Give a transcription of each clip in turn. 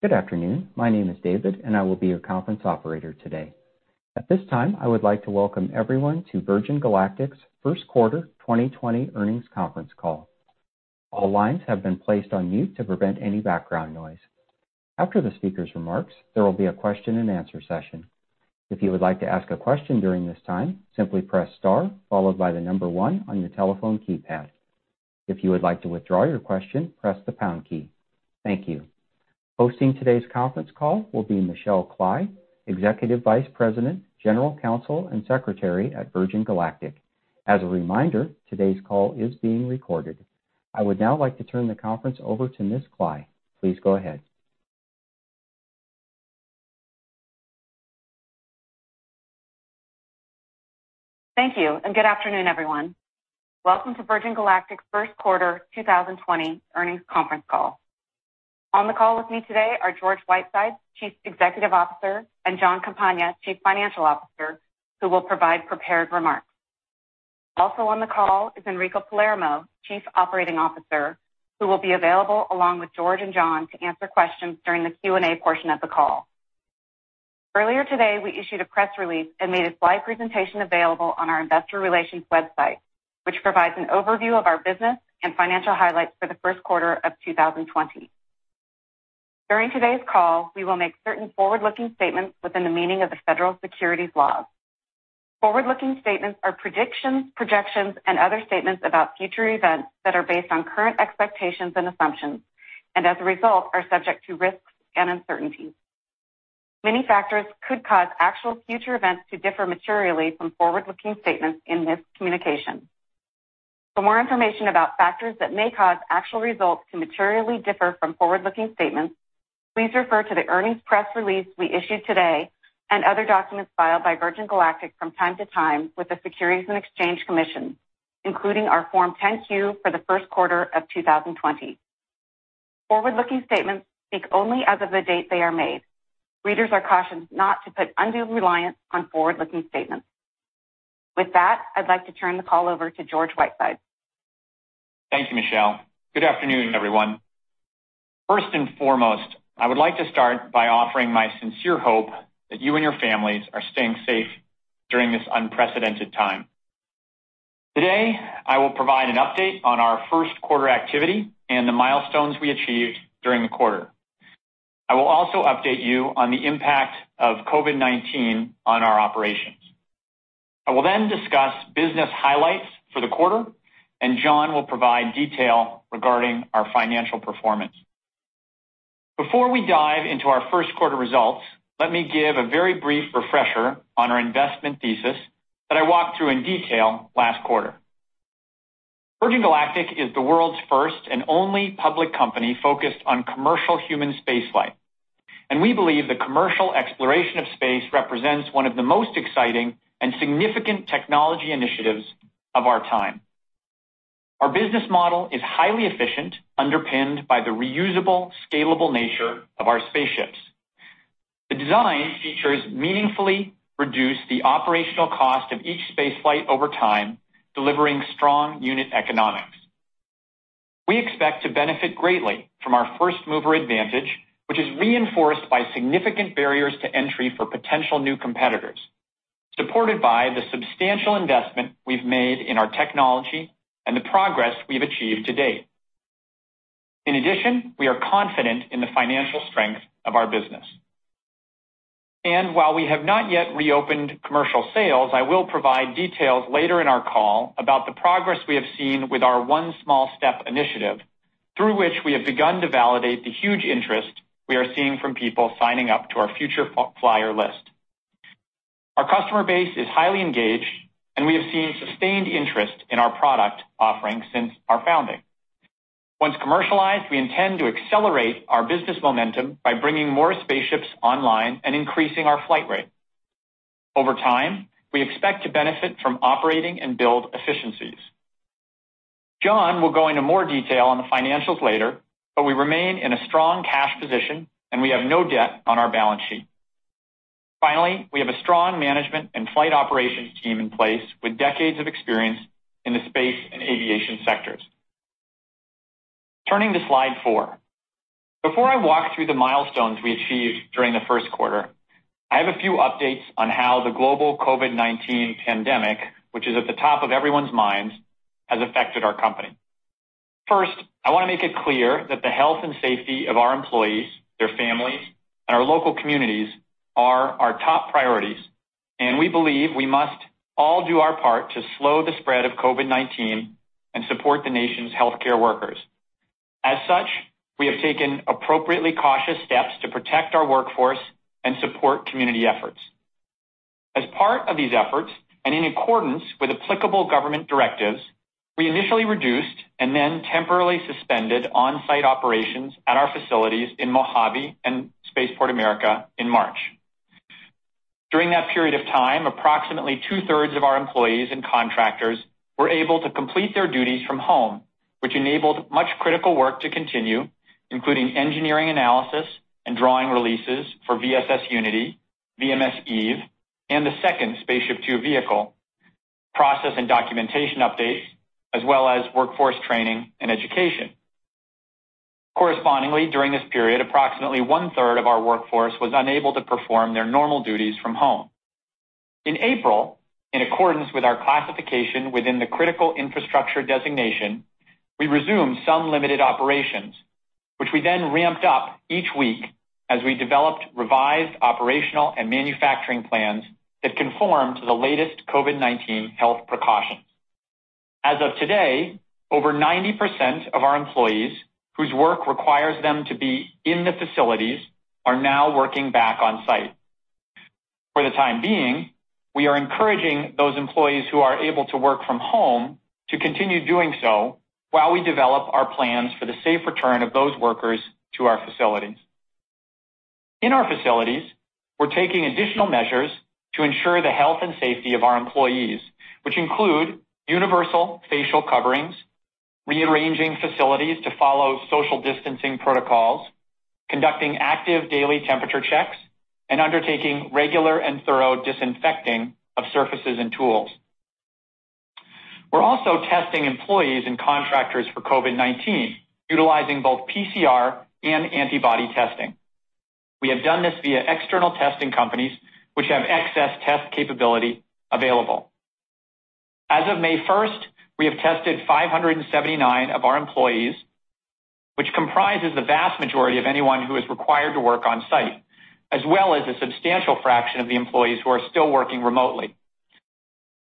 Good afternoon. My name is David, and I will be your conference operator today. At this time, I would like to welcome everyone to Virgin Galactic's Q1 2020 earnings conference call. All lines have been placed on mute to prevent any background noise. After the speaker's remarks, there will be a question and answer session. If you would like to ask a question during this time, simply press star followed by the number one on your telephone keypad. If you would like to withdraw your question, press the pound key. Thank you. Hosting today's conference call will be Michelle Kley, Executive Vice President, General Counsel, and Secretary at Virgin Galactic. As a reminder, today's call is being recorded. I would now like to turn the conference over to Ms. Kley. Please go ahead. Thank you, and good afternoon, everyone. Welcome to Virgin Galactic's Q1 2020 earnings conference call. On the call with me today are George Whitesides, Chief Executive Officer, and Jon Campagna, Chief Financial Officer, who will provide prepared remarks. Also on the call is Enrico Palermo, Chief Operating Officer, who will be available along with George and Jon to answer questions during the Q&A portion of the call. Earlier today, we issued a press release and made a slide presentation available on our investor relations website, which provides an overview of our business and financial highlights for the Q1 of 2020. During today's call, we will make certain forward-looking statements within the meaning of the federal securities laws. Forward-looking statements are predictions, projections, and other statements about future events that are based on current expectations and assumptions, and as a result, are subject to risks and uncertainties. Many factors could cause actual future events to differ materially from forward-looking statements in this communication. For more information about factors that may cause actual results to materially differ from forward-looking statements, Please refer to the earnings press release we issued today and other documents filed by Virgin Galactic from time to time with the Securities and Exchange Commission, including our Form 10-Q for the Q1 of 2020. Forward-looking statements speak only as of the date they are made. Readers are cautioned not to put undue reliance on forward-looking statements. With that, I'd like to turn the call over to George Whitesides. Thank you, Michelle. Good afternoon, everyone. First and foremost, I would like to start by offering my sincere hope that you and your families are staying safe during this unprecedented time. Today, I will provide an update on our Q1 activity and the milestones we achieved during the quarter. I will also update you on the impact of COVID-19 on our operations. I will then discuss business highlights for the quarter, and Jon will provide detail regarding our financial performance. Before we dive into our Q1 results, let me give a very brief refresher on our investment thesis that I walked through in detail last quarter. Virgin Galactic is the world's first and only public company focused on commercial human spaceflight, and we believe the commercial exploration of space represents one of the most exciting and significant technology initiatives of our time. Our business model is highly efficient, underpinned by the reusable, scalable nature of our spaceships. The design features meaningfully reduce the operational cost of each space flight over time, delivering strong unit economics. We expect to benefit greatly from our first-mover advantage, which is reinforced by significant barriers to entry for potential new competitors, supported by the substantial investment we've made in our technology and the progress we've achieved to date. In addition, we are confident in the financial strength of our business. While we have not yet reopened commercial sales, I will provide details later in our call about the progress we have seen with our One Small Step initiative, through which we have begun to validate the huge interest we are seeing from people signing up to our future flyer list. Our customer base is highly engaged, and we have seen sustained interest in our product offering since our founding. Once commercialized, we intend to accelerate our business momentum by bringing more spaceships online and increasing our flight rate. Over time, we expect to benefit from operating and build efficiencies. Jon will go into more detail on the financials later, but we remain in a strong cash position, and we have no debt on our balance sheet. Finally, we have a strong management and flight operations team in place with decades of experience in the space and aviation sectors. Turning to slide four. Before I walk through the milestones we achieved during the Q1, I have a few updates on how the global COVID-19 pandemic, which is at the top of everyone's minds, has affected our company. First, I want to make it clear that the health and safety of our employees, their families, and our local communities are our top priorities, and we believe we must all do our part to slow the spread of COVID-19 and support the nation's healthcare workers. As such, we have taken appropriately cautious steps to protect our workforce and support community efforts. As part of these efforts, and in accordance with applicable government directives, we initially reduced and then temporarily suspended on-site operations at our facilities in Mojave and Spaceport America in March. During that period of time, approximately two-thirds of our employees and contractors were able to complete their duties from home, Which enabled much critical work to continue, including engineering analysis and drawing releases for VSS Unity, VMS Eve, and the second SpaceShipTwo vehicle, Process and documentation updates, as well as workforce training and education. Correspondingly, during this period, approximately one-third of our workforce was unable to perform their normal duties from home. In April, in accordance with our classification within the critical infrastructure designation, we resumed some limited operations, which we then ramped up each week as we developed revised operational and manufacturing plans that conform to the latest COVID-19 health precautions. As of today, over 90% of our employees whose work requires them to be in the facilities are now working back on-site. For the time being, we are encouraging those employees who are able to work from home to continue doing so while we develop our plans for the safe return of those workers to our facilities. In our facilities, we're taking additional measures to ensure the health and safety of our employees, which include universal facial coverings, rearranging facilities to follow social distancing protocols, conducting active daily temperature checks, and undertaking regular and thorough disinfecting of surfaces and tools. We're also testing employees and contractors for COVID-19, utilizing both PCR and antibody testing. We have done this via external testing companies, which have excess test capability available. As of May 1st, we have tested 579 of our employees, which comprises the vast majority of anyone who is required to work on-site, as well as a substantial fraction of the employees who are still working remotely.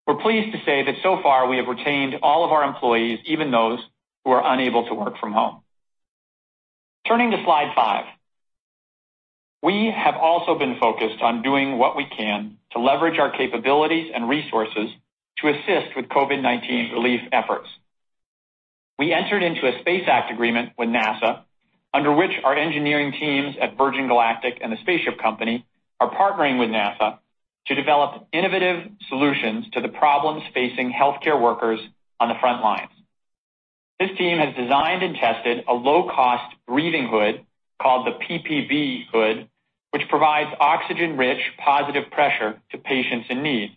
We're pleased to say that so far we have retained all of our employees, even those who are unable to work from home. Turning to slide five. We have also been focused on doing what we can to leverage our capabilities and resources to assist with COVID-19 relief efforts. We entered into a Space Act Agreement with NASA, under which our engineering teams at Virgin Galactic and The Spaceship Company are partnering with NASA to develop innovative solutions to the problems facing healthcare workers on the front lines. This team has designed and tested a low-cost breathing hood called the PPB hood, which provides oxygen-rich positive pressure to patients in need.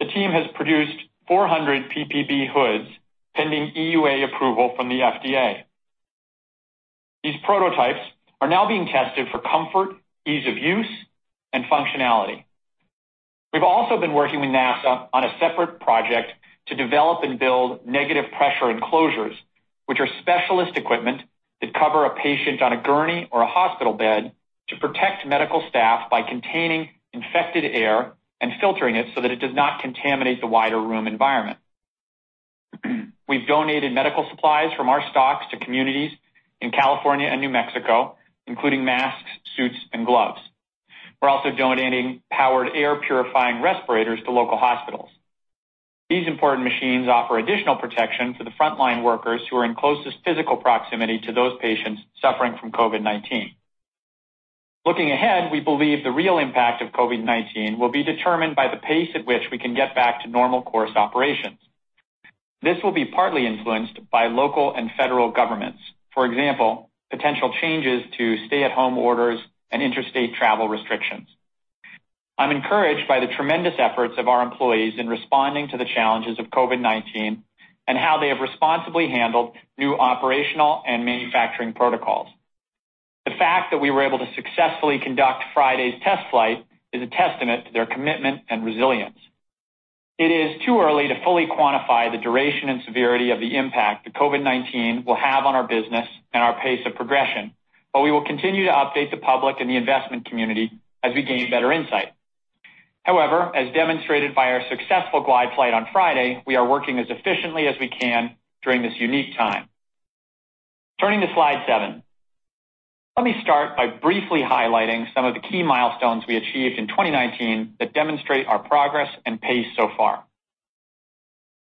The team has produced 400 PPB hoods pending EUA approval from the FDA. These prototypes are now being tested for comfort, ease of use, and functionality. We've also been working with NASA on a separate project to develop and build negative pressure enclosures, which are specialist equipment that cover a patient on a gurney or a hospital bed to protect medical staff by containing infected air and filtering it so that it does not contaminate the wider room environment. We've donated medical supplies from our stocks to communities in California and New Mexico, including masks, suits, and gloves. We're also donating powered air-purifying respirators to local hospitals. These important machines offer additional protection for the frontline workers who are in closest physical proximity to those patients suffering from COVID-19. Looking ahead, we believe the real impact of COVID-19 will be determined by the pace at which we can get back to normal course operations. This will be partly influenced by local and federal governments, for example, potential changes to stay-at-home orders and interstate travel restrictions. I'm encouraged by the tremendous efforts of our employees in responding to the challenges of COVID-19 and how they have responsibly handled new operational and manufacturing protocols. The fact that we were able to successfully conduct Friday's test flight is a testament to their commitment and resilience. It is too early to fully quantify the duration and severity of the impact that COVID-19 will have on our business and our pace of progression, but we will continue to update the public and the investment community as we gain better insight. However, as demonstrated by our successful glide flight on Friday, we are working as efficiently as we can during this unique time. Turning to slide seven. Let me start by briefly highlighting some of the key milestones we achieved in 2019 that demonstrate our progress and pace so far.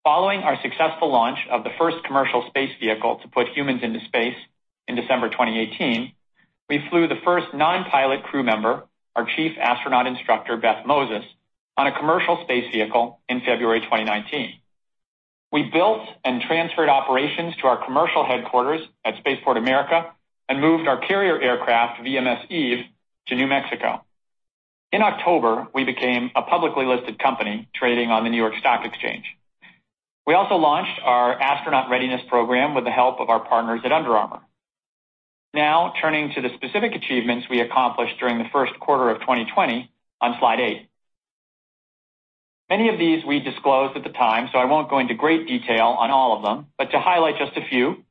Following our successful launch of the first commercial space vehicle to put humans into space in December 2018, we flew the first non-pilot crew member, our Chief Astronaut Instructor, Beth Moses, on a commercial space vehicle in February 2019. We built and transferred operations to our commercial headquarters at Spaceport America and moved our carrier aircraft, VMS Eve, to New Mexico. In October, we became a publicly listed company, trading on the New York Stock Exchange. We also launched our Astronaut Readiness Program with the help of our partners at Under Armour. Turning to the specific achievements we accomplished during the Q1 of 2020 on slide eight. Many of these we disclosed at the time, so I won't go into great detail on all of them, but to highlight just a few.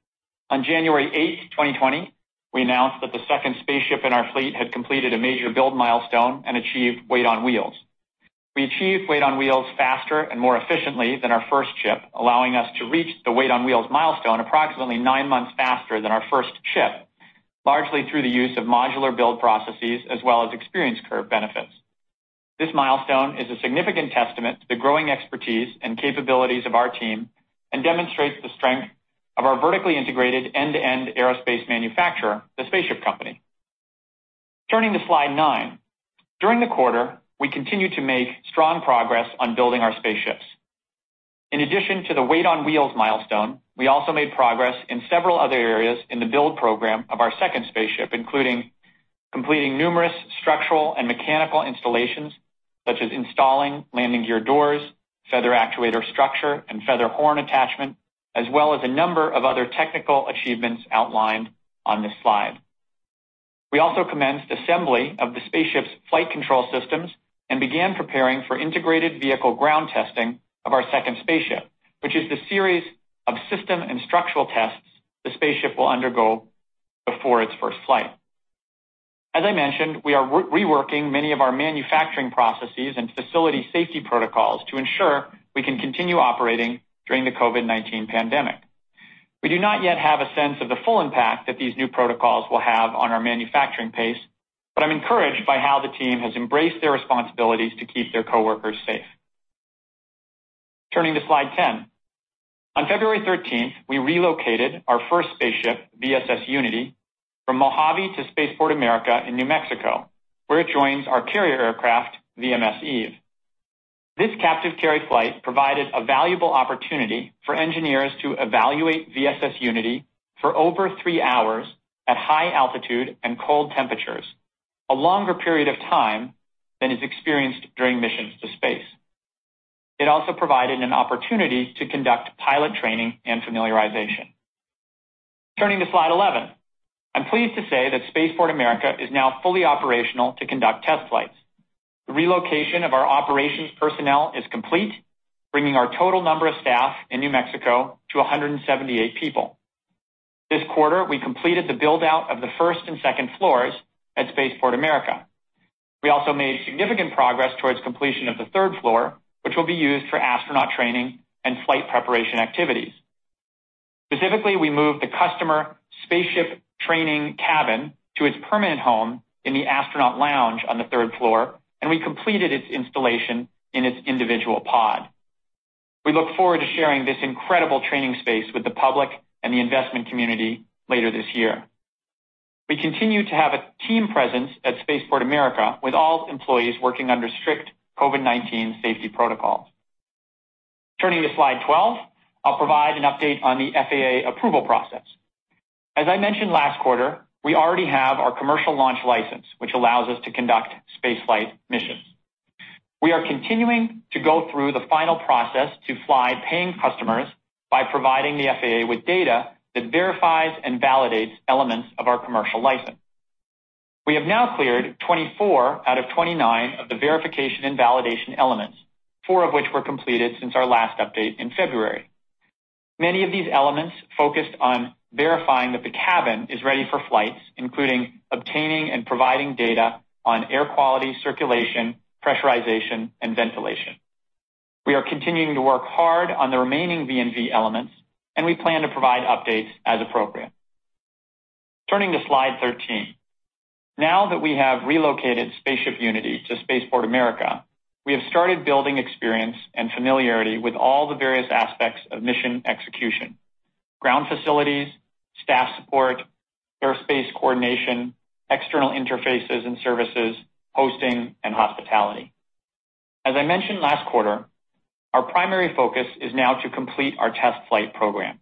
On January 8th, 2020, we announced that the second spaceship in our fleet had completed a major build milestone and achieved weight on wheels. We achieved weight on wheels faster and more efficiently than our first ship, allowing us to reach the weight on wheels milestone approximately nine months faster than our first ship, largely through the use of modular build processes as well as experience curve benefits. This milestone is a significant testament to the growing expertise and capabilities of our team and demonstrates the strength of our vertically integrated end-to-end aerospace manufacturer, The Spaceship Company. Turning to slide nine. During the quarter, we continued to make strong progress on building our spaceships. In addition to the weight on wheels milestone, we also made progress in several other areas in the build program of our second spaceship, Including completing numerous structural and mechanical installations, such as installing landing gear doors, feather actuator structure, and feather horn attachment, as well as a number of other technical achievements outlined on this slide. We also commenced assembly of the spaceship's flight control systems and began preparing for integrated vehicle ground testing of our second spaceship, which is the series of system and structural tests the spaceship will undergo before its first flight. As I mentioned, we are reworking many of our manufacturing processes and facility safety protocols to ensure we can continue operating during the COVID-19 pandemic. We do not yet have a sense of the full impact that these new protocols will have on our manufacturing pace, but I'm encouraged by how the team has embraced their responsibilities to keep their coworkers safe. Turning to slide 10. On February 13th, we relocated our first spaceship, VSS Unity, from Mojave to Spaceport America in New Mexico, where it joins our carrier aircraft, VMS Eve. This captive carry flight provided a valuable opportunity for engineers to evaluate VSS Unity for over three hours at high altitude and cold temperatures, a longer period of time than is experienced during missions to space. It also provided an opportunity to conduct pilot training and familiarization. Turning to slide 11. I'm pleased to say that Spaceport America is now fully operational to conduct test flights. The relocation of our operations personnel is complete, bringing our total number of staff in New Mexico to 178 people. This quarter, we completed the build-out of the first and second floors at Spaceport America. We also made significant progress towards completion of the third floor, which will be used for astronaut training and flight preparation activities. Specifically, we moved the customer spaceship training cabin to its permanent home in the astronaut lounge on the third floor, and we completed its installation in its individual pod. We look forward to sharing this incredible training space with the public and the investment community later this year. We continue to have a team presence at Spaceport America with all employees working under strict COVID-19 safety protocols. Turning to slide 12, I'll provide an update on the FAA approval process. As I mentioned last quarter, we already have our commercial launch license, which allows us to conduct space flight missions. We are continuing to go through the final process to fly paying customers by providing the FAA with data that verifies and validates elements of our commercial license. We have now cleared 24 out of 29 of the verification and validation elements, four of which were completed since our last update in February. Many of these elements focused on verifying that the cabin is ready for flights, including obtaining and providing data on air quality, circulation, pressurization, and ventilation. We are continuing to work hard on the remaining V&V elements, and we plan to provide updates as appropriate. Turning to slide 13. Now that we have relocated VSS Unity to Spaceport America, we have started building experience and familiarity with all the various aspects of mission execution, ground facilities, staff support, airspace coordination, external interfaces and services, hosting, and hospitality. As I mentioned last quarter, our primary focus is now to complete our test flight program.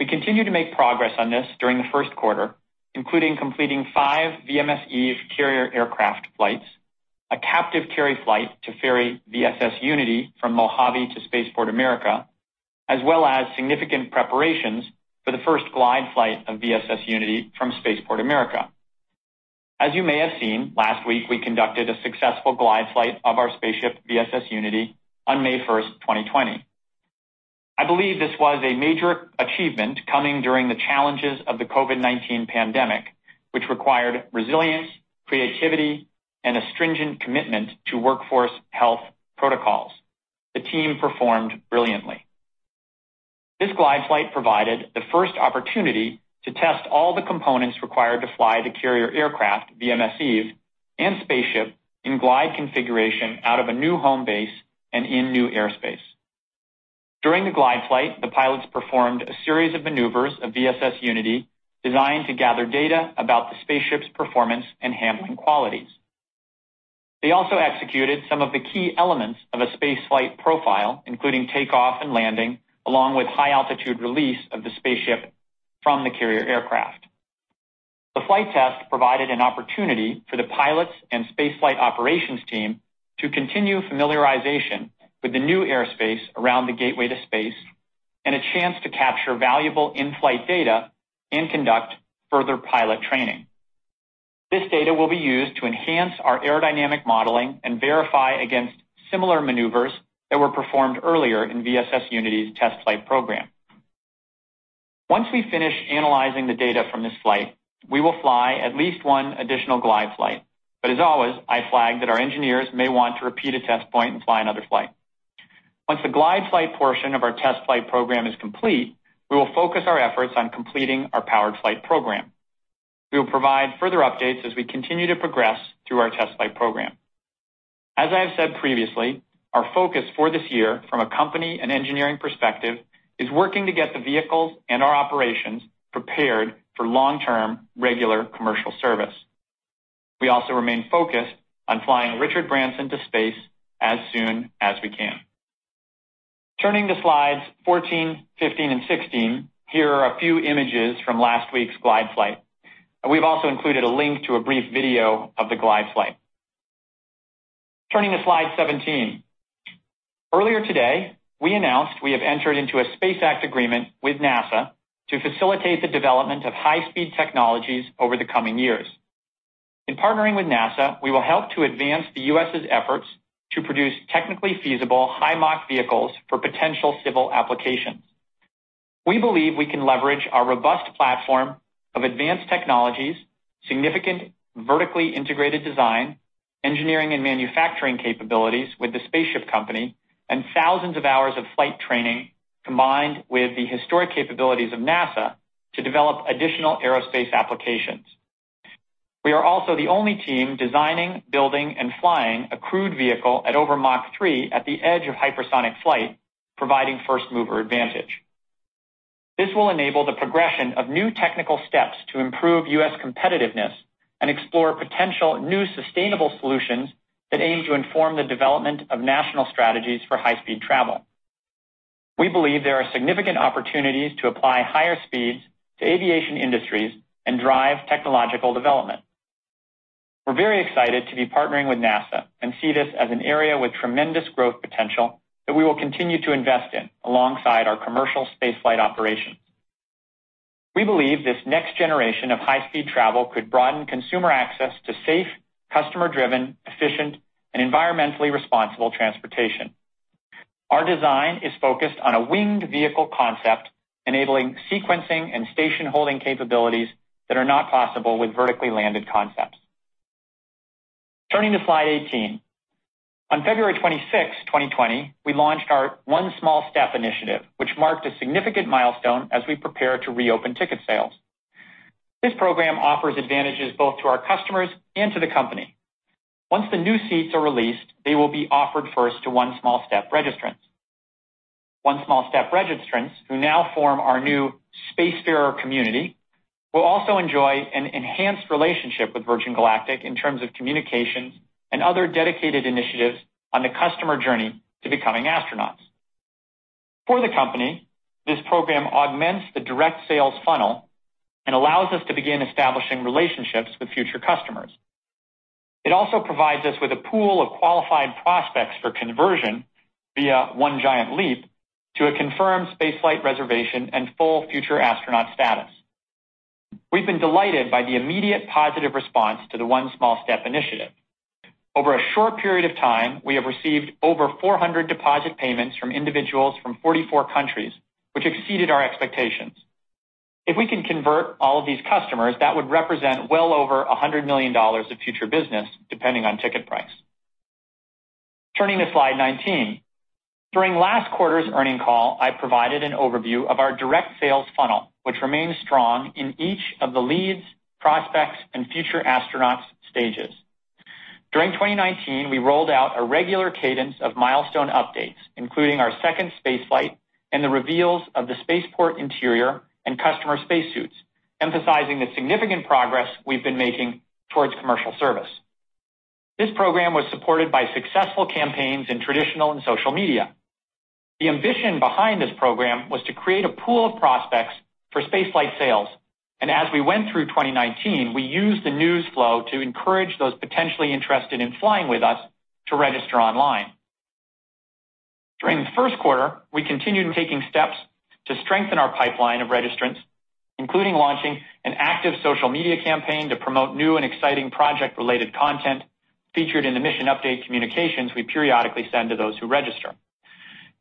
We continued to make progress on this during the Q1, including completing five VMS Eve carrier aircraft flights, a captive carry flight to ferry VSS Unity from Mojave to Spaceport America, as well as significant preparations for the first glide flight of VSS Unity from Spaceport America. As you may have seen, last week, we conducted a successful glide flight of our spaceship VSS Unity on May 1st, 2020. I believe this was a major achievement coming during the challenges of the COVID-19 pandemic, which required resilience, creativity, and a stringent commitment to workforce health protocols. The team performed brilliantly. This glide flight provided the first opportunity to test all the components required to fly the carrier aircraft, VMS Eve, and spaceship in glide configuration out of a new home base and in new airspace. During the glide flight, the pilots performed a series of maneuvers of VSS Unity designed to gather data about the spaceship's performance and handling qualities. They also executed some of the key elements of a space flight profile, including takeoff and landing, along with high-altitude release of the spaceship from the carrier aircraft. The flight test provided an opportunity for the pilots and space flight operations team to continue familiarization with the new airspace around the Gateway to Space and a chance to capture valuable in-flight data and conduct further pilot training. This data will be used to enhance our aerodynamic modeling and verify against similar maneuvers that were performed earlier in VSS Unity's test flight program. Once we finish analyzing the data from this flight, we will fly at least one additional glide flight. As always, I flag that our engineers may want to repeat a test point and fly another flight. Once the glide flight portion of our test flight program is complete, we will focus our efforts on completing our powered flight program. We will provide further updates as we continue to progress through our test flight program. As I have said previously, our focus for this year from a company and engineering perspective is working to get the vehicles and our operations prepared for long-term, regular commercial service. We also remain focused on flying Richard Branson to space as soon as we can. Turning to slides 14, 15, and 16, here are a few images from last week's glide flight. We've also included a link to a brief video of the glide flight. Turning to slide 17. Earlier today, we announced we have entered into a Space Act Agreement with NASA to facilitate the development of high-speed technologies over the coming years. In partnering with NASA, we will help to advance the U.S.'s efforts to produce technically feasible high Mach vehicles for potential civil applications. We believe we can leverage our robust platform of advanced technologies, significant vertically integrated design, Engineering and manufacturing capabilities with The Spaceship Company and thousands of hours of flight training combined with the historic capabilities of NASA to develop additional aerospace applications. We are also the only team designing, building, and flying a crewed vehicle at over Mach 3 at the edge of hypersonic flight, providing first-mover advantage. This will enable the progression of new technical steps to improve U.S. competitiveness and explore potential new sustainable solutions that aim to inform the development of national strategies for high-speed travel. We believe there are significant opportunities to apply higher speeds to aviation industries and drive technological development. We're very excited to be partnering with NASA and see this as an area with tremendous growth potential that we will continue to invest in alongside our commercial spaceflight operations. We believe this next generation of high-speed travel could broaden consumer access to safe, customer-driven, efficient, and environmentally responsible transportation. Our design is focused on a winged vehicle concept, enabling sequencing and station-holding capabilities that are not possible with vertically landed concepts. Turning to slide 18. On February 26th, 2020, we launched our One Small Step initiative, which marked a significant milestone as we prepare to reopen ticket sales. This program offers advantages both to our customers and to the company. Once the new seats are released, they will be offered first to One Small Step registrants. One Small Step registrants, who now form our new Spacefarer community, will also enjoy an enhanced relationship with Virgin Galactic in terms of communications and other dedicated initiatives on the customer journey to becoming astronauts. For the company, this program augments the direct sales funnel and allows us to begin establishing relationships with future customers. It also provides us with a pool of qualified prospects for conversion via One Giant Leap to a confirmed spaceflight reservation and full future astronaut status. We've been delighted by the immediate positive response to the One Small Step initiative. Over a short period of time, we have received over 400 deposit payments from individuals from 44 countries, which exceeded our expectations. If we can convert all of these customers, that would represent well over $100 million of future business, depending on ticket price. Turning to slide 19. During last quarter's earnings call, I provided an overview of our direct sales funnel, which remains strong in each of the leads, prospects, and future astronauts stages. During 2019, we rolled out a regular cadence of milestone updates, including our second spaceflight and the reveals of the spaceport interior and customer spacesuits, Emphasizing the significant progress we've been making towards commercial service. This program was supported by successful campaigns in traditional and social media. The ambition behind this program was to create a pool of prospects for spaceflight sales. As we went through 2019, we used the news flow to encourage those potentially interested in flying with us to register online. During the Q1, we continued taking steps to strengthen our pipeline of registrants, including launching an active social media campaign to promote new and exciting project-related content featured in the mission update communications we periodically send to those who register.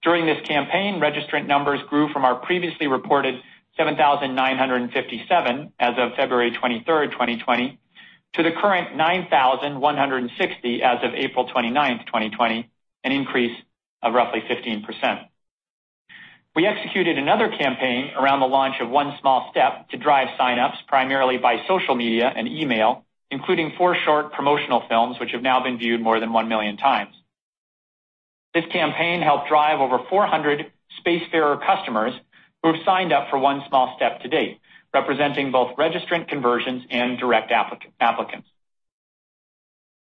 During this campaign, registrant numbers grew from our previously reported 7,957 as of February 23rd, 2020, to the current 9,160 as of April 29th, 2020, an increase of roughly 15%. We executed another campaign around the launch of One Small Step to drive sign-ups primarily by social media and email, including four short promotional films which have now been viewed more than 1 million times. This campaign helped drive over 400 Spacefarer customers who have signed up for One Small Step to date, representing both registrant conversions and direct applicants.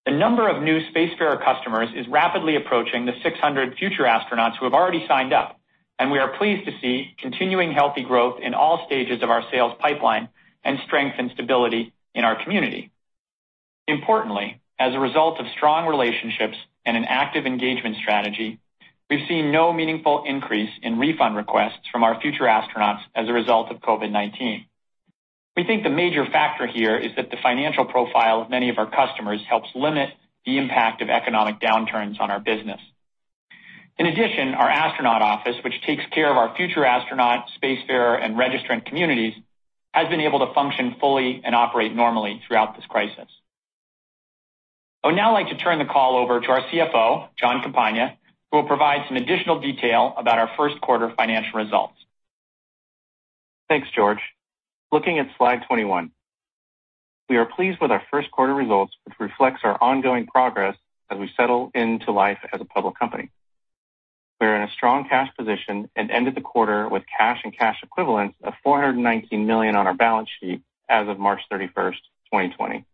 The number of new Spacefarer customers is rapidly approaching the 600 future astronauts who have already signed up, and we are pleased to see continuing healthy growth in all stages of our sales pipeline and strength and stability in our community. Importantly, as a result of strong relationships and an active engagement strategy, we've seen no meaningful increase in refund requests from our future astronauts as a result of COVID-19. We think the major factor here is that the financial profile of many of our customers helps limit the impact of economic downturns on our business. In addition, our astronaut office, which takes care of our future astronaut, Spacefarer, and registrant communities, has been able to function fully and operate normally throughout this crisis. I would now like to turn the call over to our CFO, Jon Campagna, who will provide some additional detail about our Q1 financial results. Thanks, George. Looking at slide 21, we are pleased with our Q1 results, which reflects our ongoing progress as we settle into life as a public company. We are in a strong cash position and ended the quarter with cash and cash equivalents of $419 million on our balance sheet as of March 31st, 2020.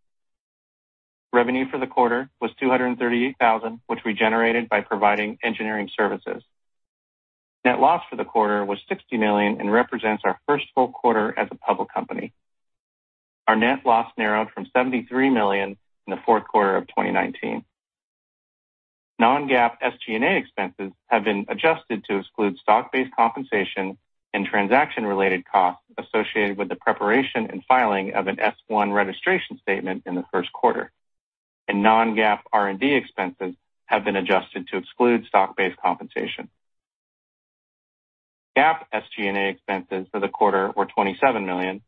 Revenue for the quarter was $238,000, which we generated by providing engineering services. Net loss for the quarter was $60 million and represents our first full quarter as a public company. Our net loss narrowed from $73 million in the Q4 of 2019. Non-GAAP SG&A expenses have been adjusted to exclude stock-based compensation and transaction-related costs associated with the preparation and filing of an S-1 registration statement in the Q1. Non-GAAP R&D expenses have been adjusted to exclude stock-based compensation. GAAP SG&A expenses for the quarter were $27 million.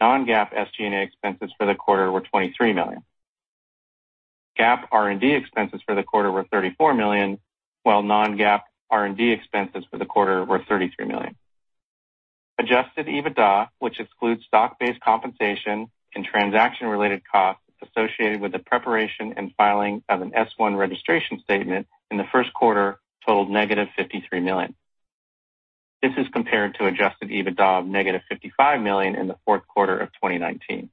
Non-GAAP SG&A expenses for the quarter were $23 million. GAAP R&D expenses for the quarter were $34 million, while non-GAAP R&D expenses for the quarter were $33 million. Adjusted EBITDA, which excludes stock-based compensation and transaction-related costs associated with the preparation and filing of an S-1 registration statement in the Q1 totaled -$53 million. This is compared to adjusted EBITDA of -$55 million in the Q4 of 2019.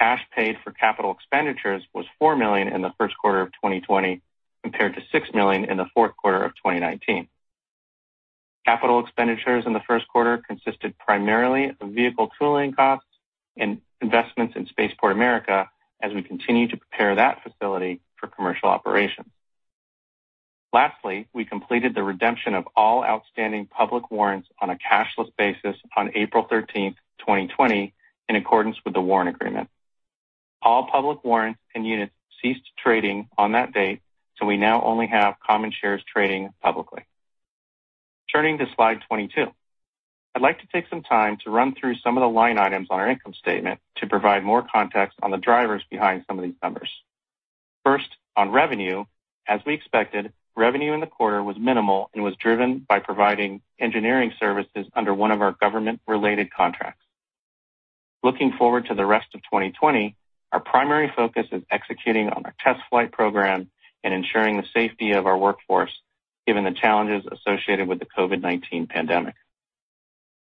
Cash paid for capital expenditures was $4 million in the Q1 of 2020, compared to $6 million in the Q4 of 2019. Capital expenditures in the Q1 consisted primarily of vehicle tooling costs and investments in Spaceport America as we continue to prepare that facility for commercial operations. Lastly, we completed the redemption of all outstanding public warrants on a cashless basis on April 13th, 2020, in accordance with the warrant agreement. All public warrants and units ceased trading on that date. We now only have common shares trading publicly. Turning to slide 22. I'd like to take some time to run through some of the line items on our income statement to provide more context on the drivers behind some of these numbers. First, on revenue, as we expected, revenue in the quarter was minimal and was driven by providing engineering services under one of our government-related contracts. Looking forward to the rest of 2020, our primary focus is executing on our test flight program and ensuring the safety of our workforce, Given the challenges associated with the COVID-19 pandemic.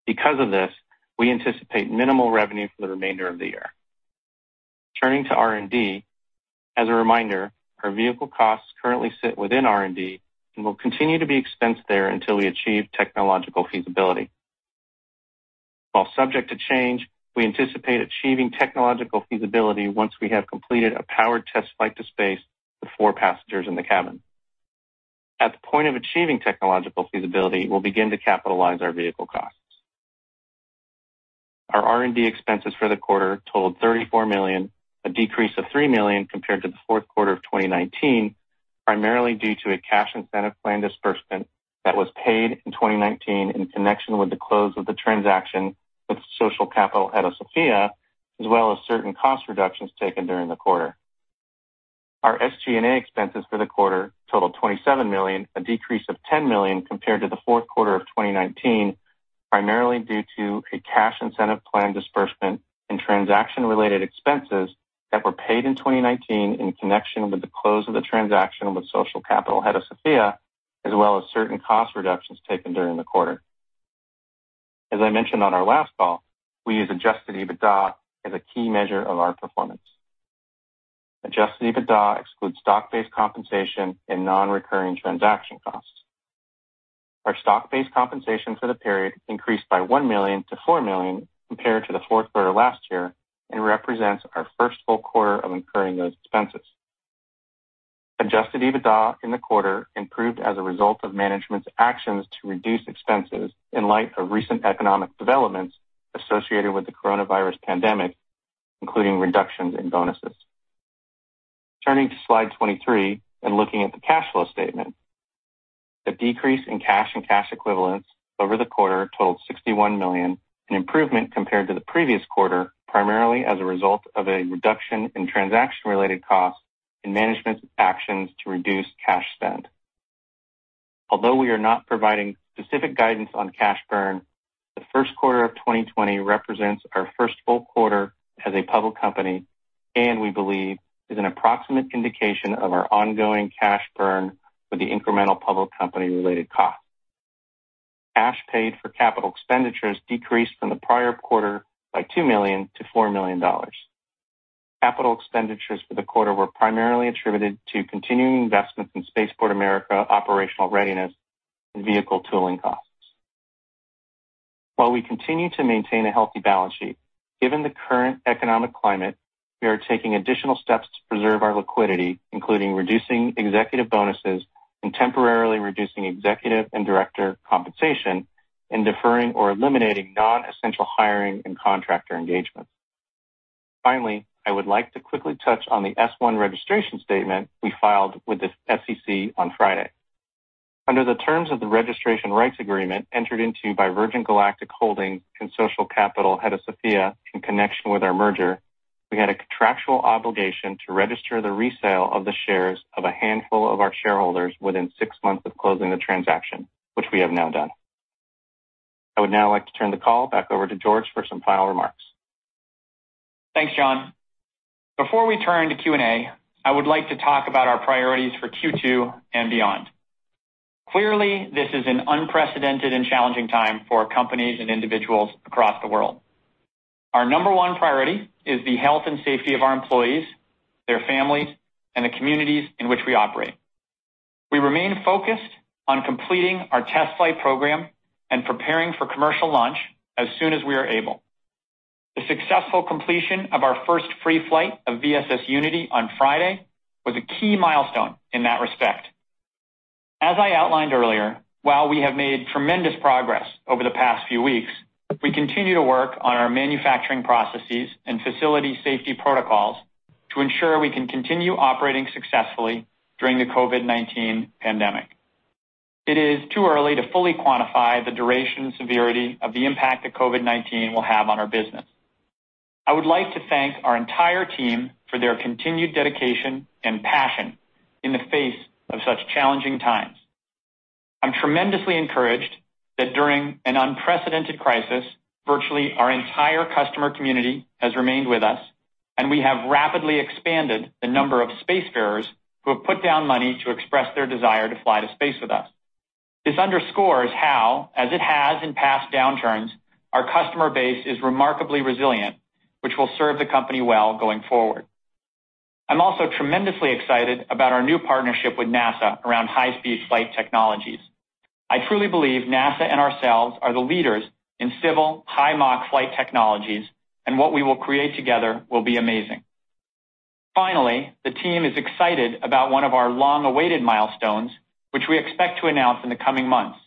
Because of this, we anticipate minimal revenue for the remainder of the year. Turning to R&D. As a reminder, our vehicle costs currently sit within R&D and will continue to be expensed there until we achieve technological feasibility. While subject to change, we anticipate achieving technological feasibility once we have completed a powered test flight to space with four passengers in the cabin. At the point of achieving technological feasibility, we'll begin to capitalize our vehicle costs. Our R&D expenses for the quarter totaled $34 million, a decrease of $3 million compared to the Q4 of 2019, primarily due to a cash incentive plan disbursement that was paid in 2019 in connection with the close of the transaction with Social Capital Hedosophia, as well as certain cost reductions taken during the quarter. Our SG&A expenses for the quarter totaled $27 million, a decrease of $10 million compared to the Q4 of 2019, primarily due to a cash incentive plan disbursement and transaction-related expenses that were paid in 2019 in connection with the close of the transaction with Social Capital Hedosophia, as well as certain cost reductions taken during the quarter. As I mentioned on our last call, we use adjusted EBITDA as a key measure of our performance. Adjusted EBITDA excludes stock-based compensation and non-recurring transaction costs. Our stock-based compensation for the period increased by $1 million-$4 million compared to the Q4 last year and represents our first full quarter of incurring those expenses. Adjusted EBITDA in the quarter improved as a result of management's actions to reduce expenses in light of recent economic developments associated with the coronavirus pandemic, including reductions in bonuses. Turning to slide 23 and looking at the cash flow statement. The decrease in cash and cash equivalents over the quarter totaled $61 million, an improvement compared to the previous quarter, primarily as a result of a reduction in transaction-related costs and management's actions to reduce cash spend. Although we are not providing specific guidance on cash burn, the Q1 of 2020 represents our first full quarter as a public company and we believe is an approximate indication of our ongoing cash burn for the incremental public company-related cost. Cash paid for capital expenditures decreased from the prior quarter by $2 million-$4 million. Capital expenditures for the quarter were primarily attributed to continuing investments in Spaceport America operational readiness and vehicle tooling costs. While we continue to maintain a healthy balance sheet, given the current economic climate, we are taking additional steps to preserve our liquidity, including reducing executive bonuses and temporarily reducing executive and director compensation and deferring or eliminating non-essential hiring and contractor engagements. Finally, I would like to quickly touch on the S1 registration statement we filed with the SEC on Friday. Under the terms of the registration rights agreement entered into by Virgin Galactic Holdings and Social Capital Hedosophia in connection with our merger, We had a contractual obligation to register the resale of the shares of a handful of our shareholders within six months of closing the transaction, which we have now done. I would now like to turn the call back over to George for some final remarks. Thanks, Jon. Before we turn to Q&A, I would like to talk about our priorities for Q2 and beyond. Clearly, this is an unprecedented and challenging time for companies and individuals across the world. Our number one priority is the health and safety of our employees, their families, and the communities in which we operate. We remain focused on completing our test flight program and preparing for commercial launch as soon as we are able. The successful completion of our first free flight of VSS Unity on Friday was a key milestone in that respect. As I outlined earlier, while we have made tremendous progress over the past few weeks, we continue to work on our manufacturing processes and facility safety protocols to ensure we can continue operating successfully during the COVID-19 pandemic. It is too early to fully quantify the duration and severity of the impact that COVID-19 will have on our business. I would like to thank our entire team for their continued dedication and passion in the face of such challenging times. I'm tremendously encouraged that during an unprecedented crisis, virtually our entire customer community has remained with us, and we have rapidly expanded the number of Spacefarers who have put down money to express their desire to fly to space with us. This underscores how, as it has in past downturns, our customer base is remarkably resilient, which will serve the company well going forward. I'm also tremendously excited about our new partnership with NASA around high-speed flight technologies. I truly believe NASA and ourselves are the leaders in civil high Mach flight technologies, and what we will create together will be amazing. Finally, the team is excited about one of our long-awaited milestones, which we expect to announce in the coming months,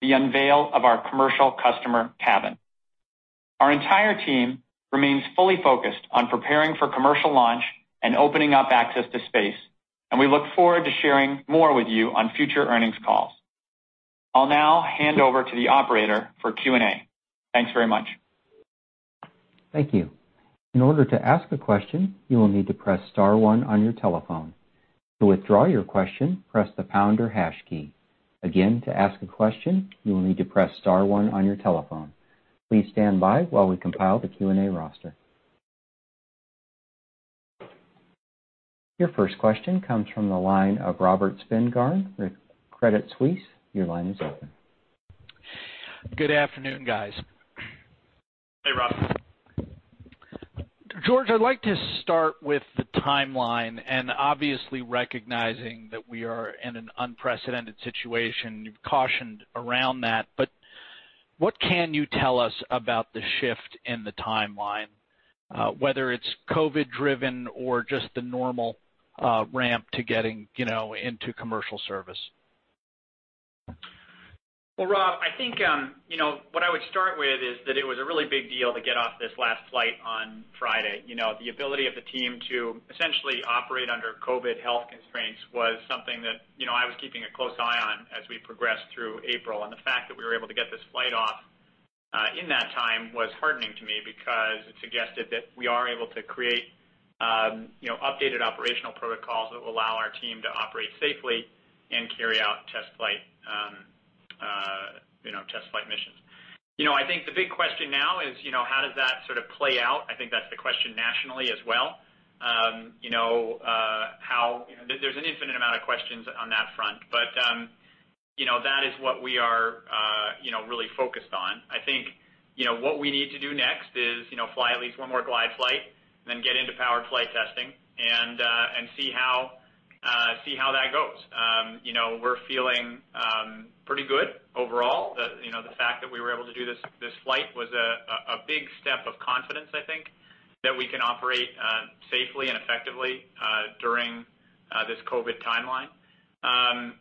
the unveil of our commercial customer cabin. Our entire team remains fully focused on preparing for commercial launch and opening up access to space, and we look forward to sharing more with you on future earnings calls. I'll now hand over to the operator for Q&A. Thanks very much. Thank you. In order to ask a question, you will need to press star one on your telephone. To withdraw your question, press the pound or hash key. Again, to ask a question, you will need to press star one on your telephone. Please stand by while we compile the Q&A roster. Your first question comes from the line of Robert Spingarn with Credit Suisse. Your line is open. Good afternoon, guys. Hey, Robert. George, I'd like to start with the timeline, and obviously recognizing that we are in an unprecedented situation. You've cautioned around that, what can you tell us about the shift in the timeline, whether it's COVID-driven or just the normal ramp to getting into commercial service? Well, Robert, I think what I would start with is that it was a really big deal to get off this last flight on Friday. The ability of the team to essentially operate under COVID health constraints was something that I was keeping a close eye on as we progressed through April. The fact that we were able to get this flight off in that time was heartening to me because it suggested that we are able to create updated operational protocols that will allow our team to operate safely and carry out test flight missions. I think the big question now is how does that sort of play out? I think that's the question nationally as well. There's an infinite amount of questions on that front. That is what we are really focused on. I think what we need to do next is fly at least one more glide flight, then get into powered flight testing and see how that goes. We're feeling pretty good overall. The fact that we were able to do this flight was a big step of confidence, I think, that we can operate safely and effectively during this COVID-19 timeline. I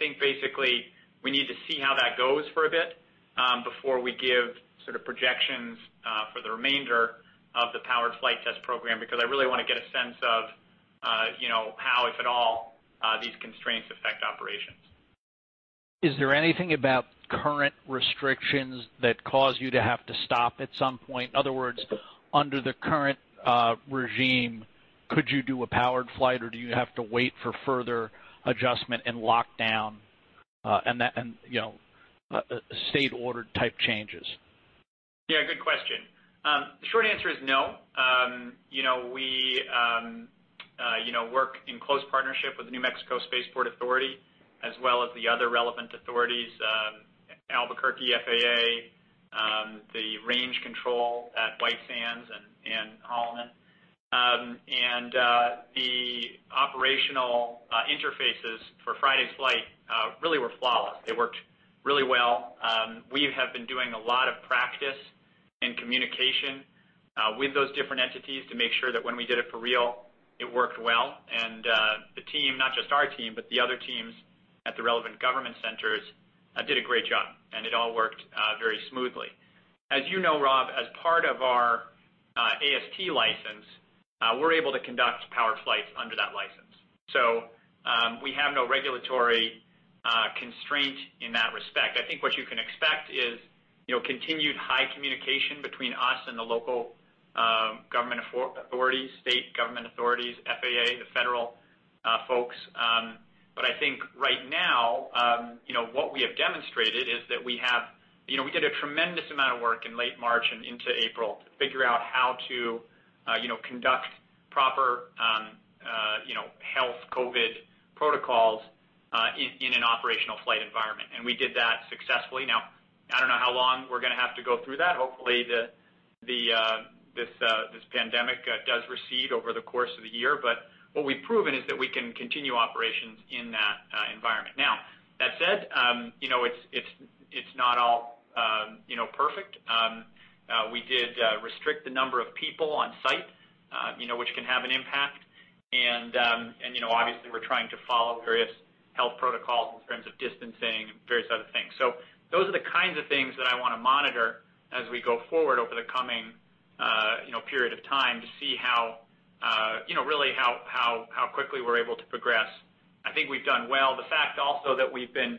think basically we need to see how that goes for a bit, before we give sort of projections for the remainder of the powered flight test program, because I really want to get a sense of how, if at all, these constraints affect operations. Is there anything about current restrictions that cause you to have to stop at some point? In other words, under the current regime, could you do a powered flight, or do you have to wait for further adjustment and lockdown, and state-ordered type changes? Yeah, good question. The short answer is no. We work in close partnership with the New Mexico Spaceport Authority, as well as the other relevant authorities, Albuquerque, FAA, the range control at White Sands and Holloman. The operational interfaces for Friday's flight really were flawless. They worked really well. We have been doing a lot of practice and communication with those different entities to make sure that when we did it for real, it worked well. The team, not just our team, but the other teams at the relevant government centers, did a great job, and it all worked very smoothly. As you know, Robert, as part of our AST license, we're able to conduct powered flights under that license. We have no regulatory constraint in that respect. I think what you can expect is continued high communication between us and the local government authorities, state government authorities, FAA, the federal folks. What we have demonstrated is that we did a tremendous amount of work in late March and into April to figure out how to conduct proper health COVID protocols in an operational flight environment. We did that successfully. Now, I don't know how long we're going to have to go through that. Hopefully, this pandemic does recede over the course of the year. What we've proven is that we can continue operations in that environment. Now, that said, it's not all perfect. We did restrict the number of people on site which can have an impact. Obviously we're trying to follow various health protocols in terms of distancing and various other things. Those are the kinds of things that I want to monitor as we go forward over the coming period of time to see really how quickly we're able to progress. I think we've done well. The fact also that we've been,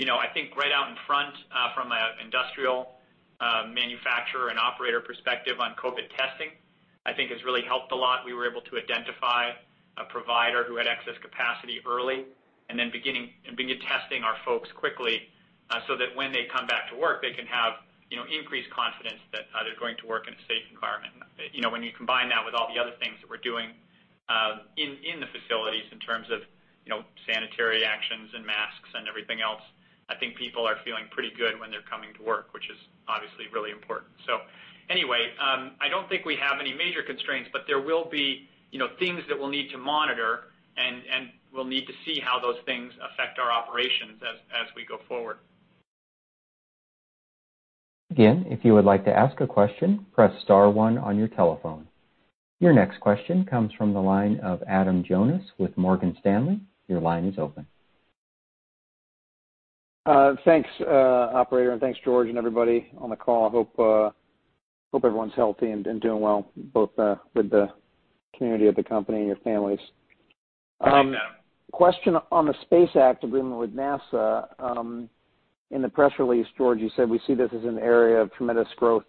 I think, right out in front from an industrial manufacturer and operator perspective on COVID testing, I think has really helped a lot. We were able to identify a provider who had excess capacity early, and then begin testing our folks quickly so that when they come back to work, They can have increased confidence that they're going to work in a safe environment. When you combine that with all the other things that we're doing in the facilities in terms of sanitary actions and masks and everything else, I think people are feeling pretty good when they're coming to work, which is obviously really important. I don't think we have any major constraints, but there will be things that we'll need to monitor and we'll need to see how those things affect our operations as we go forward. Again, if you would like to ask a question, press star one on your telephone. Your next question comes from the line of Adam Jonas with Morgan Stanley. Your line is open. Thanks, operator, and thanks George, and everybody on the call. Hope everyone's healthy and doing well, both with the community of the company and your families. Thanks, Adam. Question on the Space Act Agreement with NASA. In the press release, George, you said we see this as an area of tremendous growth,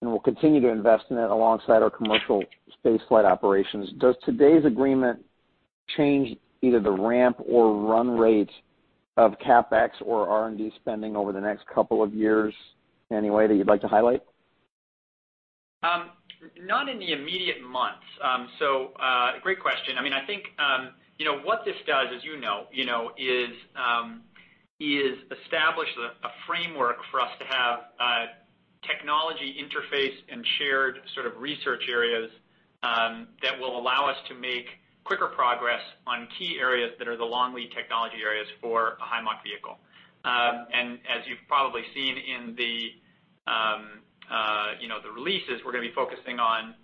and we'll continue to invest in it alongside our commercial spaceflight operations. Does today's agreement change either the ramp or run rate of CapEx or R&D spending over the next couple of years in any way that you'd like to highlight? Not in the immediate months. Great question. I think, what this does, as you know, is establish a framework for us to have technology interface and shared sort of research areas that will allow us to make quicker progress on key areas that are the long lead technology areas for a high mach vehicle. As you've probably seen in the releases, we're going to be focusing on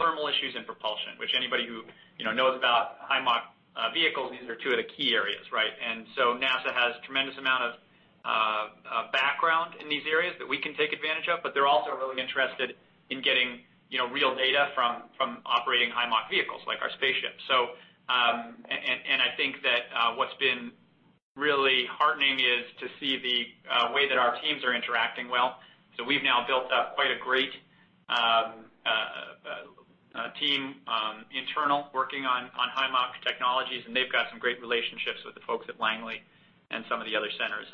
thermal issues and propulsion, which anybody who knows about high mach vehicles, these are two of the key areas, right? NASA has tremendous amount of background in these areas that we can take advantage of, but they're also really interested in getting real data from operating high mach vehicles like our spaceship. I think that what's been really heartening is to see the way that our teams are interacting well. We've now built up quite a great team internal working on high-Mach technologies, and they've got some great relationships with the folks at Langley and some of the other centers.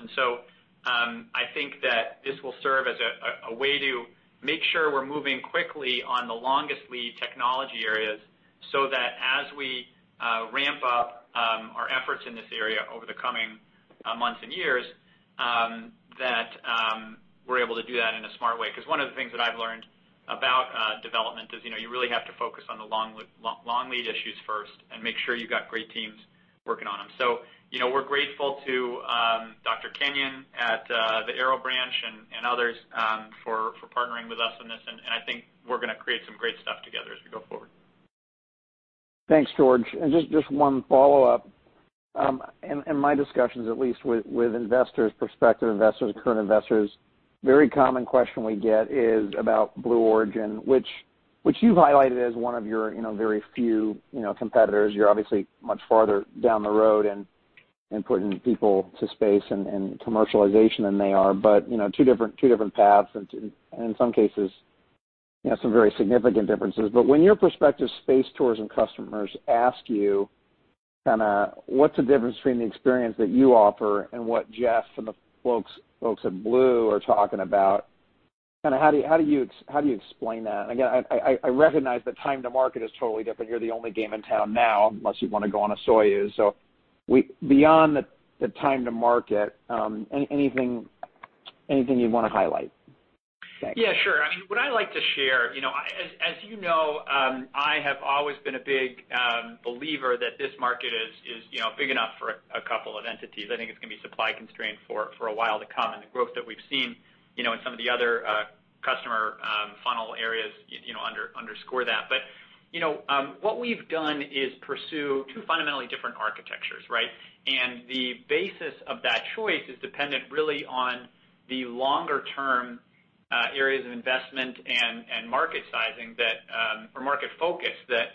I think that this will serve as a way to make sure we're moving quickly on the longest lead technology areas so that as we ramp up our efforts in this area over the coming months and years, that we're able to do that in a smart way. One of the things that I've learned about development is you really have to focus on the long lead issues first and make sure you've got great teams working on them. We're grateful to Dr. Kenyon at the Aero Branch and others for partnering with us on this. I think we're going to create some great stuff together as we go forward. Thanks, George. Just one follow-up. In my discussions, at least with investors, prospective investors, current investors, very common question we get is about Blue Origin, which you've highlighted as one of your very few competitors. You're obviously much farther down the road in putting people to space and commercialization than they are. Two different paths and in some cases, some very significant differences. When your prospective space tourism customers ask you kind of what's the difference between the experience that you offer and what Jeff and the folks at Blue are talking about, kind of how do you explain that? Again, I recognize the time to market is totally different. You're the only game in town now, unless you want to go on a Soyuz. Beyond the time to market, anything you'd want to highlight? Thanks. Yeah, sure. What I like to share, as you know, I have always been a big believer that this market is big enough for a couple of entities. I think it's going to be supply constrained for a while to come. The growth that we've seen in some of the other customer funnel areas underscore that. What we've done is pursue two fundamentally different architectures, right? The basis of that choice is dependent really on the longer-term areas of investment and market sizing or market focus that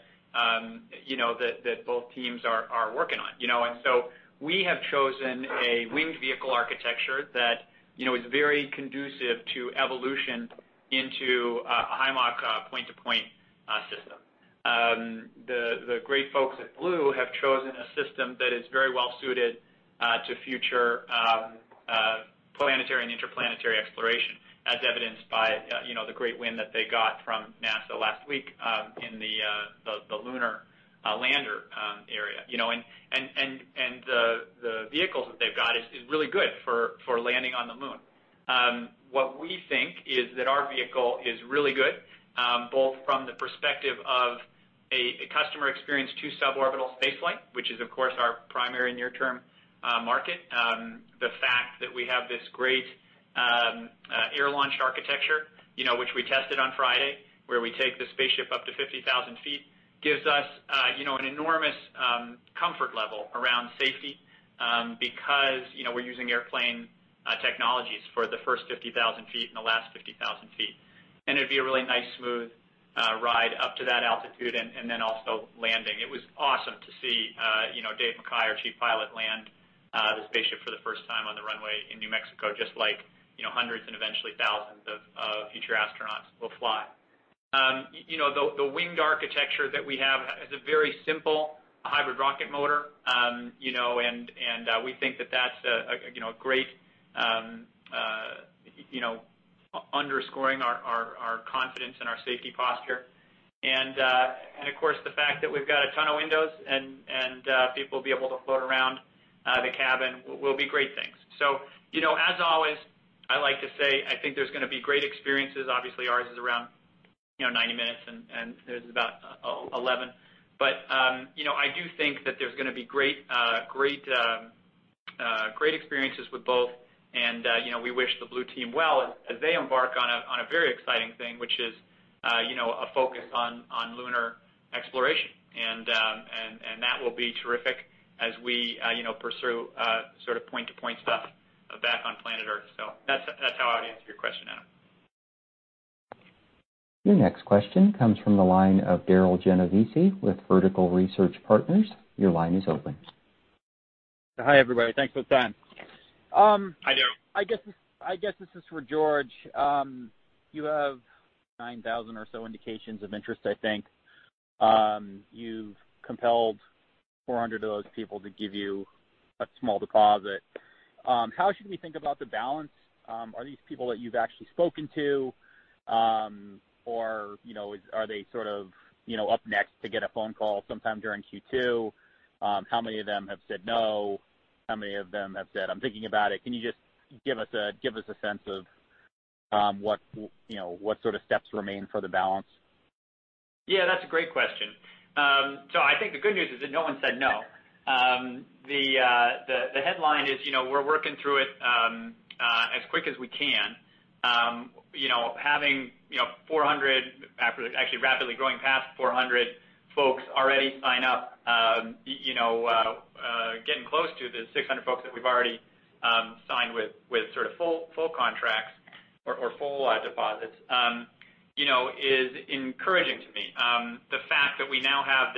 both teams are working on. We have chosen a winged vehicle architecture that is very conducive to evolution into a high mach point-to-point. The great folks at Blue have chosen a system that is very well-suited to future planetary and interplanetary exploration, as evidenced by the great win that they got from NASA last week in the lunar lander area. The vehicles that they've got is really good for landing on the moon. What we think is that our vehicle is really good, both from the perspective of a customer experience to suborbital spaceflight, which is, of course, our primary near-term market. The fact that we have this great air launch architecture, which we tested on Friday, where we take the spaceship up to 50,000 ft, gives us an enormous comfort level around safety, because we're using airplane technologies for the first 50,000 ft and the last 50,000 ft. It'd be a really nice, smooth ride up to that altitude, and then also landing. It was awesome to see David Mackay, our chief pilot, land the spaceship for the first time on the runway in New Mexico, just like hundreds and eventually thousands of future astronauts will fly. The winged architecture that we have has a very simple hybrid rocket motor, and we think that that's great, underscoring our confidence and our safety posture. Of course, the fact that we've got a ton of windows and people will be able to float around the cabin will be great things. As always, I like to say, I think there's going to be great experiences. Obviously, ours is around 90 minutes, and theirs is about 11. I do think that there's going to be great experiences with both. We wish the Blue team well as they embark on a very exciting thing, which is a focus on lunar exploration. That will be terrific as we pursue sort of point-to-point stuff back on planet Earth. That's how I'd answer your question, Adam. Your next question comes from the line of Darryl Genovesi with Vertical Research Partners. Your line is open. Hi, everybody. Thanks for the time. Hi, Darryl. I guess this is for George. You have 9,000 or so indications of interest, I think. You've compelled 400 of those people to give you a small deposit. How should we think about the balance? Are these people that you've actually spoken to, or are they sort of up next to get a phone call sometime during Q2? How many of them have said no? How many of them have said, "I'm thinking about it?" Can you just give us a sense of what sort of steps remain for the balance? Yeah, that's a great question. I think the good news is that no one said no. The headline is, we're working through it as quick as we can. Having 400, actually rapidly growing past 400 folks already signed up, getting close to the 600 folks that we've already signed with sort of full contracts or full deposits, is encouraging to me. The fact that we now have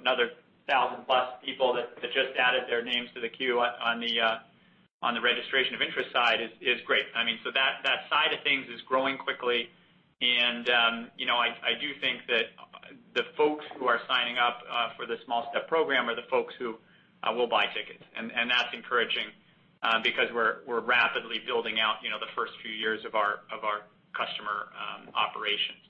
another 1,000+ people that just added their names to the queue on the registration of interest side is great. That side of things is growing quickly, and I do think that the folks who are signing up for the One Small Step program are the folks who will buy tickets. That's encouraging because we're rapidly building out the first few years of our customer operations.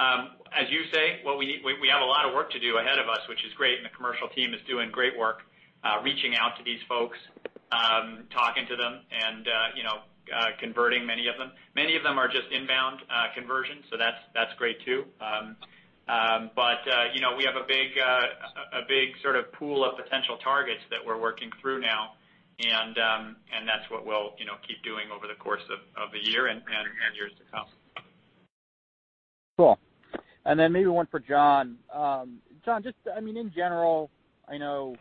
As you say, we have a lot of work to do ahead of us, which is great, and the commercial team is doing great work reaching out to these folks, talking to them, and converting many of them. Many of them are just inbound conversions, so that's great, too. We have a big sort of pool of potential targets that we're working through now, and that's what we'll keep doing over the course of the year and years to come. Cool. Then maybe one for Jon. Jon, just in general, I know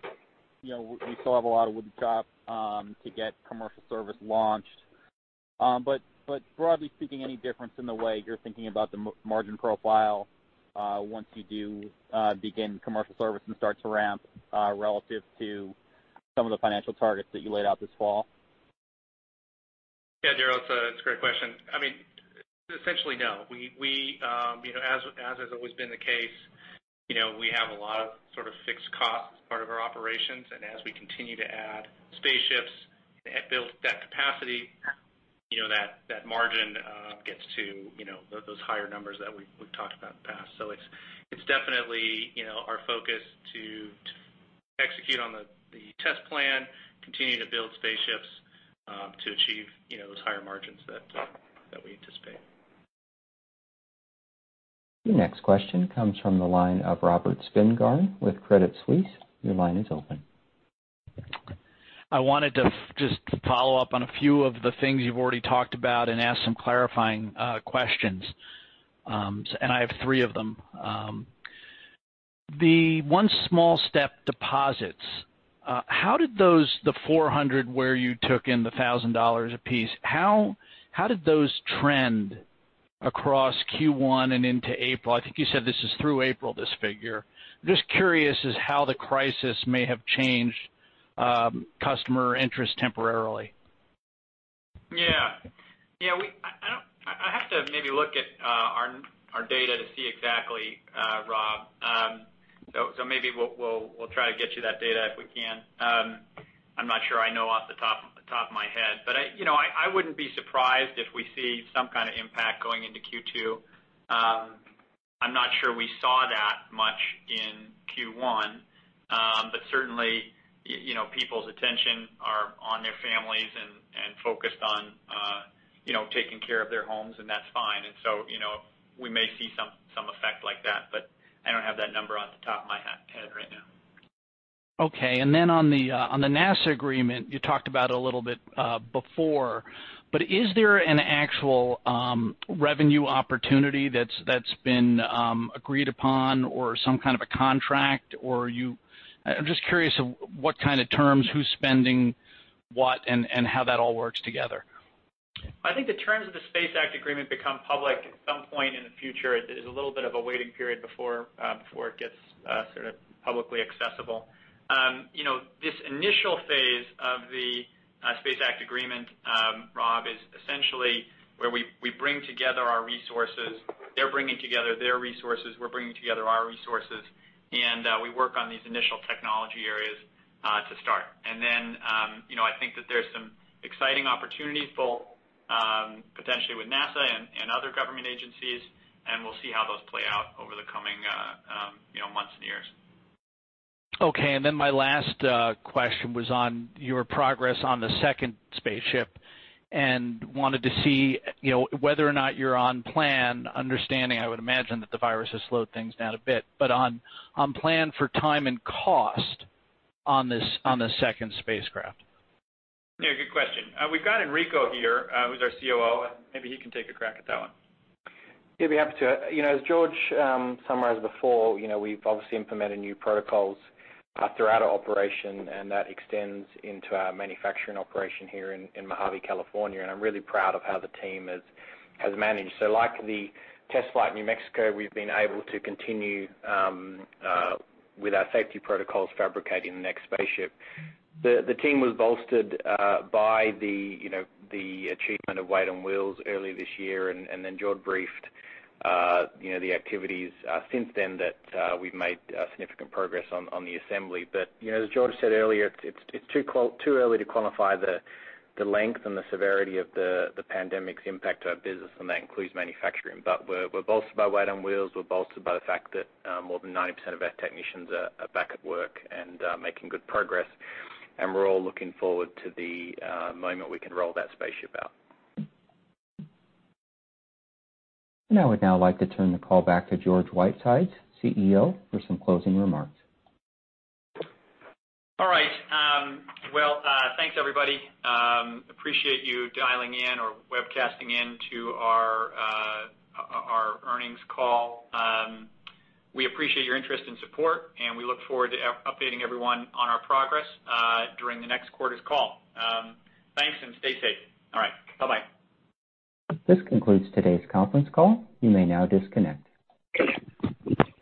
you still have a lot of wood to chop to get commercial service launched. Broadly speaking, any difference in the way you're thinking about the margin profile once you do begin commercial service and start to ramp relative to some of the financial targets that you laid out this fall? Yeah, Darryl, it's a great question. Essentially, no. As has always been the case, we have a lot of sort of fixed costs as part of our operations. As we continue to add spaceships and build that capacity, that margin gets to those higher numbers that we've talked about in the past. It's definitely our focus to execute on the test plan, continue to build spaceships to achieve those higher margins that we anticipate. The next question comes from the line of Robert Spingarn with Credit Suisse. Your line is open. I wanted to just follow up on a few of the things you've already talked about and ask some clarifying questions, and I have three of them. The One Small Step deposits, the 400 where you took in the $1,000 a piece, how did those trend across Q1 and into April? I think you said this is through April, this figure. I'm just curious as how the crisis may have changed customer interest temporarily. Yeah. I have to maybe look at our data to see exactly, Robert. Maybe we'll try to get you that data if we can. I'm not sure I know off the top of my head. I wouldn't be surprised if we see some kind of impact going into Q2. I'm not sure we saw that much in Q1. Certainly, people's attention are on their families and focused on taking care of their homes, and that's fine. We may see some effect like that, but I don't have that number off the top of my head right now. Okay, on the NASA agreement, you talked about it a little bit before, but is there an actual revenue opportunity that's been agreed upon or some kind of a contract? I'm just curious what kind of terms, who's spending what, and how that all works together. I think the terms of the SPACE Act Agreement become public at some point in the future. There's a little bit of a waiting period before it gets sort of publicly accessible. This initial phase of the SPACE Act Agreement, Robert, is essentially where we bring together our resources. They're bringing together their resources, we're bringing together our resources, and we work on these initial technology areas to start. I think that there's some exciting opportunities, both potentially with NASA and other government agencies, and we'll see how those play out over the coming months and years. Okay, my last question was on your progress on the second spaceship and wanted to see whether or not you're on plan, understanding, I would imagine that the virus has slowed things down a bit, but on plan for time and cost on the second spacecraft. Yeah, good question. We've got Enrico here, who's our COO. Maybe he can take a crack at that one. Yeah, be happy to. George summarized before, we've obviously implemented new protocols throughout our operation, and that extends into our manufacturing operation here in Mojave, California, and I'm really proud of how the team has managed. Like the test flight in New Mexico, we've been able to continue with our safety protocols fabricating the next spaceship. The team was bolstered by the achievement of weight on wheels early this year, and then George briefed the activities since then that we've made significant progress on the assembly. As George said earlier, it's too early to quantify the length and the severity of the pandemic's impact to our business, and that includes manufacturing. We're bolstered by weight on wheels. We're bolstered by the fact that more than 90% of our technicians are back at work and making good progress. We're all looking forward to the moment we can roll that spaceship out. I would now like to turn the call back to George Whitesides, CEO, for some closing remarks. All right. Well, thanks everybody. Appreciate you dialing in or webcasting in to our earnings call. We appreciate your interest and support, and we look forward to updating everyone on our progress during the next quarter's call. Thanks and stay safe. All right. Bye-bye. This concludes today's conference call. You may now disconnect.